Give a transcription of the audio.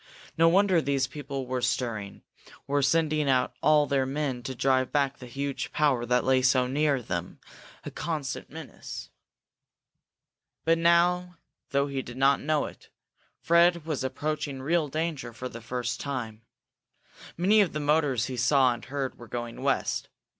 No wonder these people were stirring, were sending out all their men to drive back the huge power that lay so near them, a constant menace! But now, though he did not know it, Fred was approaching real danger for the first time. Many of the motors he saw and heard were going west.